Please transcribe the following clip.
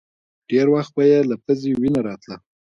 ډېر وخت به يې له پزې وينه راتله.